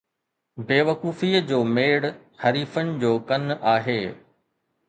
بيوقوفيءَ جو ميڙ“ حریفن جو ڪن آهي